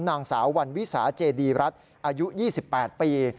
นางสาววันวิสาเจดีรัฐอายุ๒๘ปี